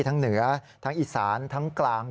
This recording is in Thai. ทั้งเหนือทั้งอิสราณทั้งกลาง